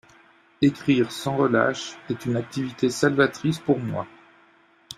Écrire sans relâche est une activité salvatrice pour moi.